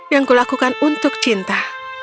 yang kulakukan untuk cinta